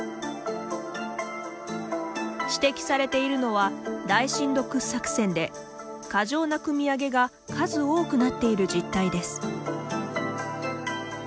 指摘されているのは大深度掘削泉で過剰なくみ上げが数多くなっている実態です。